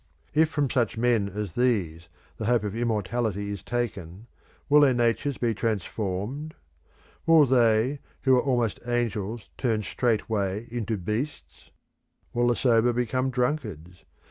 If from such men as these the hope of immortality is taken, will their natures be transformed? Will they who are almost angels turn straightway into beasts? Will the sober become drunkards?